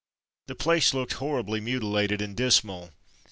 The place looked horribly mutilated and dismal.